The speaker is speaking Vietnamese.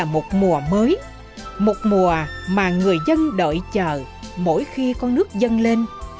một mùa mới một mùa mà người dân đợi chờ mỗi khi con nước dâng lên